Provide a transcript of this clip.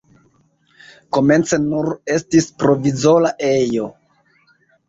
Komence nur estis provizora ejo.